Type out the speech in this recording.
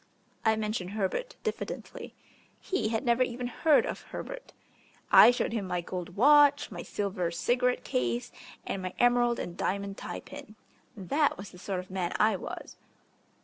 I mentioned Herbert diffidently. He had never even heard of Herbert. I showed him my gold watch, my silver cigarette case, and my emerald and diamond tie pin that was the sort of man I was.